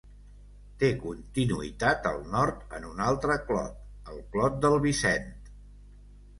Té continuïtat al nord en un altre clot: el Clot del Vicent.